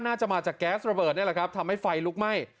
น่าจะมาจากแก๊สระเบิดทำให้ไฟลุกไหม้